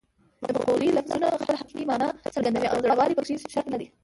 د مقولې لفظونه خپله حقیقي مانا څرګندوي او زوړوالی پکې شرط نه دی